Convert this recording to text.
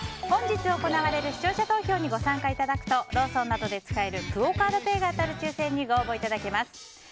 本日行われる視聴者投票に参加いただくとローソンなどで使えるクオ・カードペイが当たる抽選にご応募いただけます。